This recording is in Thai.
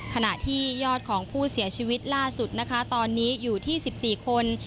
ขณะที่ยอดของผู้เสียชีวิตล่าสุดนะคะตอนนี้อยู่ที่๑๔คน